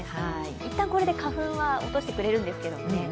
いったん、これで花粉は落としてくれるんですけどね。